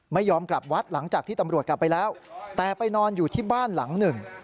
ไม่ยอมกลับวัดหลังจากที่ตำรวจกลับไปแล้วแต่ไปนอนอยู่ที่บ้านหลังหนึ่ง